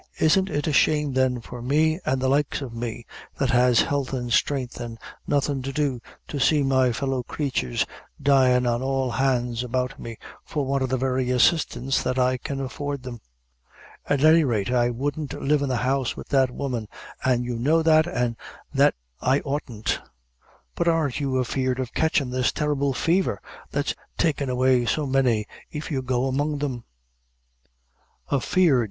Isn't it a shame, then, for me, an' the likes o' me, that has health an' strength, an' nothin' to do, to see my fellow creatures dyin' on all hands about me, for want of the very assistance that I can afford them. At any rate, I wouldn't live in the house with that woman, an' you know that, an' that I oughtn't." "But aren't you afeard of catchin' this terrible faver, that's takin' away so many, if you go among them'?" "Afeard!"